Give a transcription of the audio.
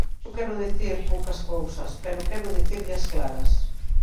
Eu quero dicir poucas cousas, pero quero dicirllas claras.